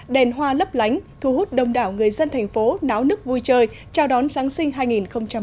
đèn hoa lấp lánh thu hút đông đảo người dân thành phố náo nức vui chơi chào đón giáng sinh hai nghìn một mươi tám